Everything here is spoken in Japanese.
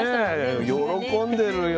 喜んでるよ。